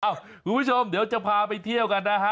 คุณผู้ชมเดี๋ยวจะพาไปเที่ยวกันนะฮะ